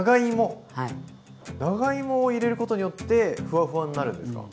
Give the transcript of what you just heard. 長芋を入れることによってふわふわになるんですか？